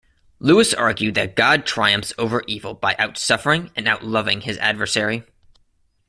Lewis argued that God triumphs over evil by outsuffering and outloving his adversary.